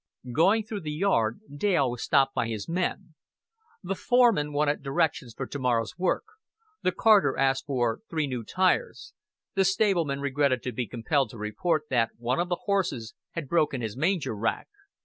Going through the yard Dale was stopped by his men. The foreman wanted directions for to morrow's work; the carter asked for three new tires; the stableman regretted to be compelled to report that one of the horses had broken his manger rack.